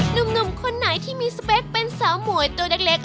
หนุ่มคนไหนที่มีสเปคเป็นสาวหมวยตัวเล็ก